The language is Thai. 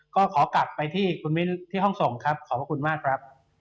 ก็ขอกลับไปที่คุณวิทย์ที่ห้องส่งขอบคุณมากครับ